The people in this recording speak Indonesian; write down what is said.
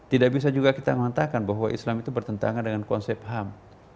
tidak bisa juga kita mengatakan bahwa islam itu bertentangan dengan konsep ham